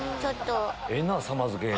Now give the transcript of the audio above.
ええな「さま」付け。